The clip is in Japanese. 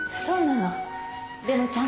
そうなの。